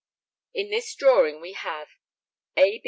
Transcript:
In this drawing we have: Ft.